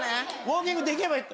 ウオーキングできれば。